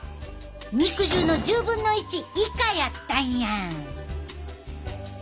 肉汁の１０分の１以下やったんや！